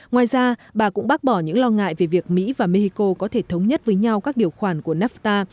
ngoài ra bà cũng bác bỏ những lo ngại về việc mỹ và mexico có thể thống nhất với nhau các điều khoản của nafta